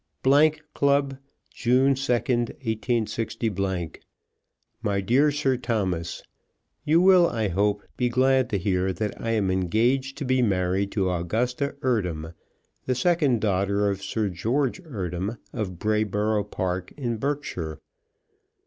Club, June 2, 186 . MY DEAR SIR THOMAS, You will, I hope, be glad to hear that I am engaged to be married to Augusta Eardham, the second daughter of Sir George Eardham, of Brayboro' Park, in Berkshire.